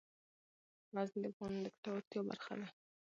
غزني د افغانانو د ګټورتیا برخه ده.